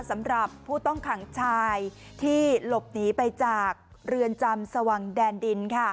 สำหรับผู้ต้องขังชายที่หลบหนีไปจากเรือนจำสว่างแดนดิน